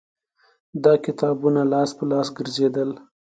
دا کتابونه لاس په لاس ګرځېدل